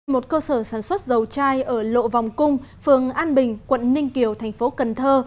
một cơ sở sản xuất dầu chai ở lộ vòng cung phường an bình quận ninh kiều thành phố cần thơ